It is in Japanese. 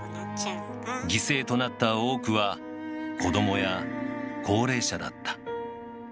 犠牲となった多くは子どもや高齢者だった。